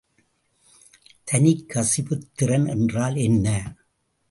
தனிக் கசிவுத்திறன் என்றால் என்ன?